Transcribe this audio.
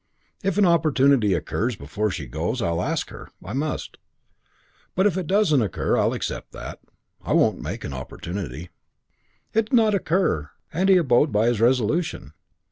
If an opportunity occurs before she goes I'll ask her. I must. But if it doesn't occur I'll accept that. I won't make an opportunity." It did not occur, and he abode by his resolution.